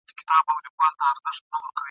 انګرېزي لښکر د تېښتي هڅي کولې.